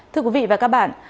thưa quý vị và các bạn